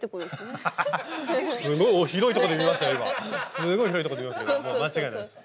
すごい広いとこで見ましたけど間違いないです。